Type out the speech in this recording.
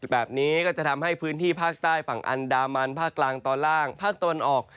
แบบนี้ก็จะทำให้พื้นที่ภาคใต้ฝั่งอันดามันภาคกลางตอนล่างภาคตะวันออก